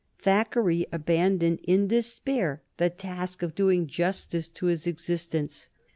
Thackeray abandoned in despair the task of doing justice to his existence.